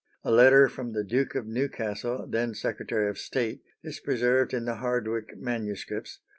A letter from the Duke of Newcastle, then Secretary of State, is preserved in the Hardwicke MSS.